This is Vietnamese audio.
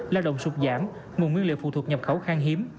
lao động sụt giảm nguồn nguyên liệu phụ thuộc nhập khẩu khang hiếm